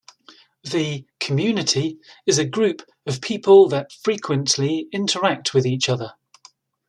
The community is a group of people that frequently interact with each other.